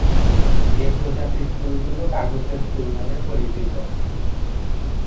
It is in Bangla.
এ প্রজাতির ফুলগুলো "কাগজের ফুল" নামে পরিচিত।